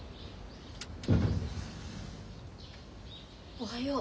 ・おはよう。